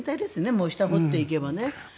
もう下を掘っていけばね。